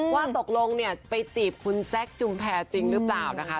ว่าตกลงเนี่ยไปจีบคุณแจ๊คจุมแพรจริงหรือเปล่านะคะ